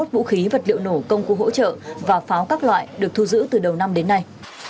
ba trăm chín mươi một vũ khí vật liệu nổ công khu hỗ trợ và pháo các loại được thu giữ từ đầu năm đến nay